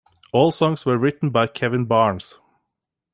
All songs were written by Kevin Barnes.